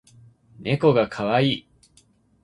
ねこがかわいい